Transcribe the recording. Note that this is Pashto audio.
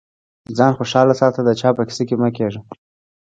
ځان خوشاله ساته د چا په کيسه کي مه کېږه.